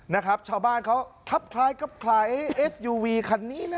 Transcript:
นะครับชาวบ้านเขาทับคล้ายกับคล้ายเอสยูวีคันนี้นะ